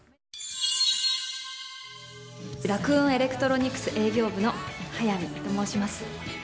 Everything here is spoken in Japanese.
ラクーンエレクトロニクス営業部の速見と申します。